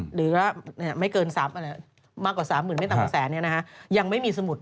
หรือว่าไม่เกินมากกว่า๓หมื่นไม่ต่ำกว่าแสนเนี่ยนะฮะยังไม่มีสมุด